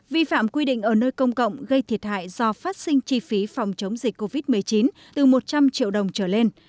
vi phạm quy định ở nơi công cộng gây thiệt hại do phát sinh chi phí phòng chống dịch covid một mươi chín từ một trăm linh triệu đồng trở lên